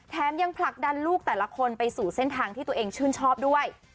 ยังผลักดันลูกแต่ละคนไปสู่เส้นทางที่ตัวเองชื่นชอบด้วย